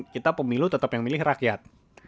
kita pemilu tetap yang milih rakyat